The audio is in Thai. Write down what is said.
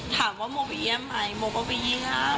ถามว่าโมไปเยี่ยมไหมโมก็ไปเยี่ยม